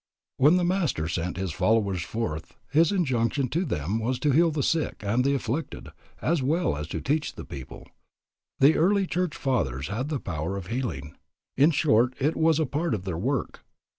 When the Master sent his followers forth, his injunction to them was to heal the sick and the afflicted, as well as to teach the people. The early church fathers had the power of healing, in short, it was a part of their work.